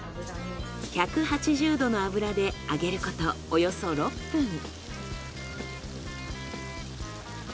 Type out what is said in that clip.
１８０度の油で揚げることおよそ６分。